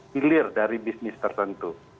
hilir dari bisnis tertentu